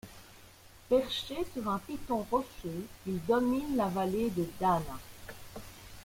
Perché sur un piton rocheux, il domine la vallée de Dana.